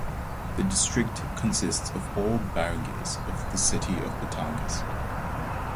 The district consists of all barangays of the city of Batangas.